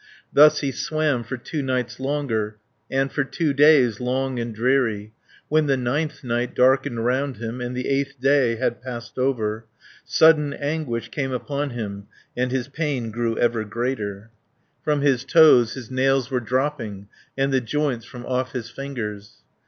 Thus he swam for two nights longer, And for two days long and dreary. 10 When the ninth night darkened round him, And the eighth day had passed over, Sudden anguish came upon him, And his pain grew ever greater. From his toes his nails were dropping, And the joints from off his fingers.